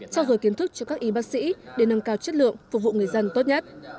trao dồi kiến thức cho các y bác sĩ để nâng cao chất lượng phục vụ người dân tốt nhất